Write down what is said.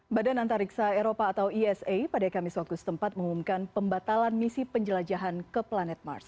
badan antariksa eropa atau esa pada kamis waktu setempat mengumumkan pembatalan misi penjelajahan ke planet mars